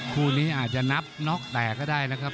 คู่นี้อาจจะนับน็อกแตกก็ได้นะครับ